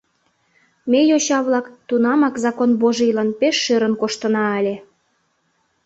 Ме, йоча-влак, тунамак «закон божийлан» пеш шӧрын коштына ыле.